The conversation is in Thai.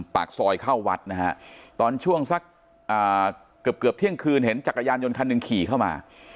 ปากซอยเข้าวัดนะฮะตอนช่วงสักเกือบเกือบเที่ยงคืนเห็นจักรยานยนต์คันหนึ่งขี่เข้ามา